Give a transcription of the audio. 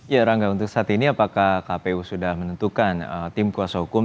ya rangga untuk saat ini apakah kpu sudah menentukan tim kuasa hukum